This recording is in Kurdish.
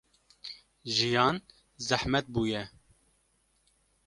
Jiyan zehmet bûye.